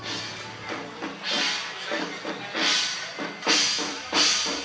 kepala tongkang tionghoa